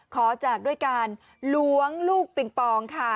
แจกด้วยการล้วงลูกปิงปองค่ะ